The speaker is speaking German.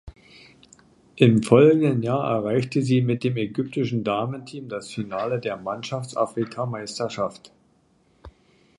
Im folgenden Jahr erreichte sie mit dem ägyptischen Damenteam das Finale der Mannschaftsafrikameisterschaft.